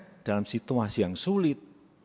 jangan sampai dalam situasi yang sulit